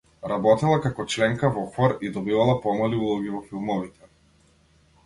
Работела како членка во хор и добивала помали улоги во филмовите.